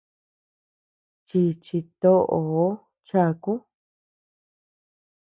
Chíchi toʼoo cháku.